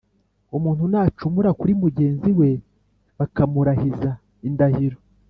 “Umuntu nacumura kuri mugenzi we bakamurahiza indahiro